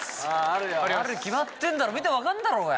あるよ、あるに決まってんだろ、見て分かんだろうが。